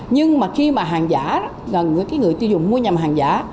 nhưng mà khi mà hàng giả người tiêu dùng mua nhà hàng giả